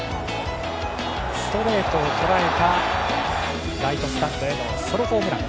ストレートをとらえたライトスタンドへのソロホームラン。